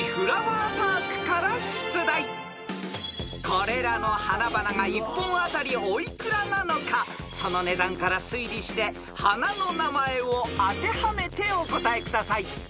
［これらの花々が一本当たりお幾らなのかその値段から推理して花の名前を当てはめてお答えください］